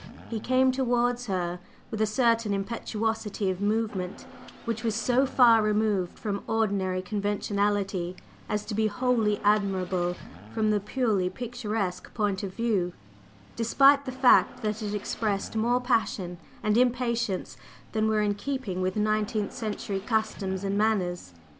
He came towards her with a certain impetuosity of movement which was so far removed from ordinary conventionality as to be wholly admirable from the purely picturesque point of view, despite the fact that it expressed more passion and impatience than were in keeping with nineteenth century customs and manners.